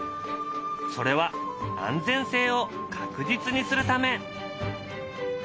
それは安全性を確実にするため。